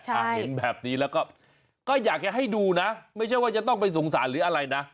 เห็นแบบนี้แล้วก็ก็อยากจะให้ดูนะไม่ใช่ว่าจะต้องไปสงสารหรืออะไรนะ